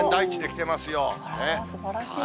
すばらしい。